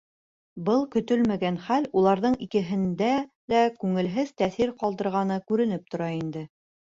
Был көтөлмәгән хәл уларҙың икеһендә лә күңелһеҙ тәьҫир ҡалдырғаны күренеп тора ине.